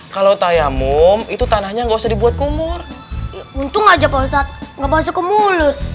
kalau tayamum itu tanahnya nggak usah dibuat kumur untung aja kontak nggak masuk ke mulut